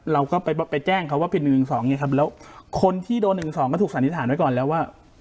เราก็ไปไปแจ้งเขาว่าผิดหนึ่งหนึ่งสองเนี่ยครับแล้วคนที่โดนหนึ่งสองก็ถูกสันนิษฐานไว้ก่อนแล้วว่า